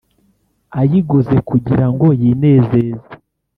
ayiguze kugira ngo yinezeze